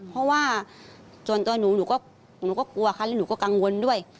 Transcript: เพราะว่าส่วนตัวหนูหนูก็กลัวค่ะแล้วหนูก็กังวลด้วย